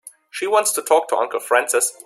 She wants to talk to Uncle Francis.